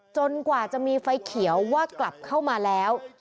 กว่าจะมีไฟเขียวว่ากลับเข้ามาแล้ว